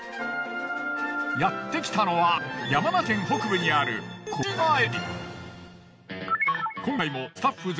やってきたのは山梨県北部にある小淵沢駅。